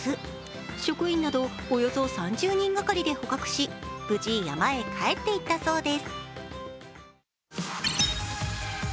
職員などおよそ３０人がかりで捕獲し無事、山へ帰っていったそうです。